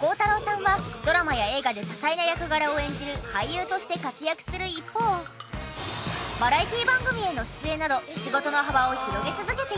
孝太郎さんはドラマや映画で多彩な役柄を演じる俳優として活躍する一方バラエティ番組への出演など仕事の幅を広げ続けています。